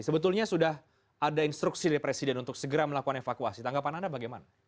sebetulnya sudah ada instruksi dari presiden untuk segera melakukan evakuasi tanggapan anda bagaimana